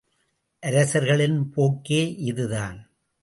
அரசர்களின் போக்கே இதுதான்.